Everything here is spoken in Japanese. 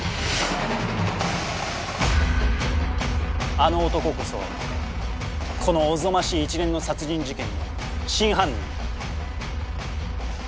あの男こそこのおぞましい一連の殺人事件の真犯人だ。